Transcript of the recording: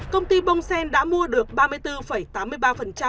công ty bongsen đã mua được